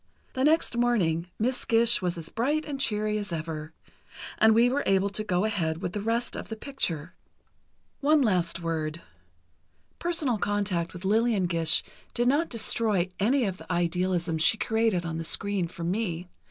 The next morning Miss Gish was as bright and cheery as ever, and we were able to go ahead with the rest of the picture. One last word: personal contact with Lillian Gish did not destroy any of the idealism she created on the screen for me.